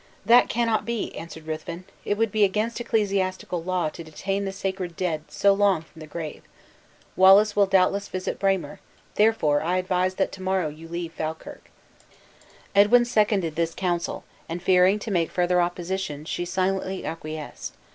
"That cannot be," answered Ruthven, "it would be against ecclesiastical law to detain the sacred dead so long from the grave. Wallace will doubtless visit Braemar, therefore I advise that to morrow you leave Falkirk." Edwin seconded this counsel; and fearing to make further opposition, she silently acquiesced.